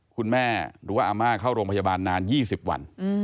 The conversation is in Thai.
หรือว่าอาม่าเข้าโรงพยาบาลนาน๒๐วัน